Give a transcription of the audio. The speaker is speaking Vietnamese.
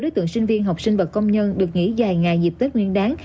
trong thời gian sinh viên học sinh và công nhân được nghỉ dài ngày dịp tết nguyên đáng